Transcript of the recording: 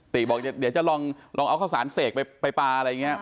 บอกเดี๋ยวจะลองเอาข้าวสารเสกไปปลาอะไรอย่างนี้